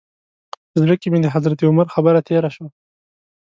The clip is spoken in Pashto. په زړه کې مې د حضرت عمر خبره تېره شوه.